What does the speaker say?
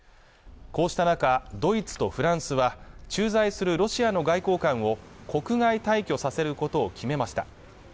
こうした中ドイツとフランスは駐在するロシアの外交官を国外退去させることを決めました